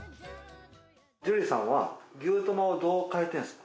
樹里さんは牛トマをどう変えてるんですか？